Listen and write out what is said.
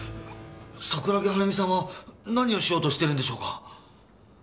桜木春美さんは何をしようとしてるんでしょうか？